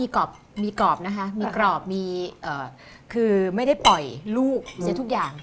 มีกรอบนะคะมีกรอบมีคือไม่ได้ปล่อยลูกเสียทุกอย่าง